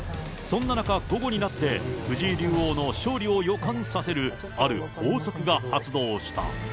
そんな中、午後になって藤井竜王の勝利を予感させるある法則が発動した。